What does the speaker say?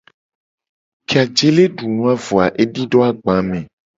Ke ajele du nu a vo a, edido agba me.